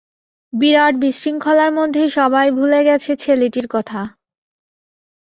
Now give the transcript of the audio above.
বিরাট বিশৃঙ্খলার মধ্যে সবাই ভুলে গেল ছেলেটির কথা!